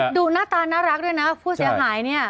ดูหน้าตาน่ารักด้วยนะผู้เสียหายเนี่ย